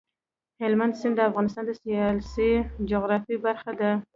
هلمند سیند د افغانستان د سیاسي جغرافیه برخه ده.